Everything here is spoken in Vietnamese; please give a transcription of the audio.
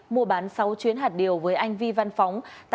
mua bán sáu chuyến hạt điều với anh vi văn phóng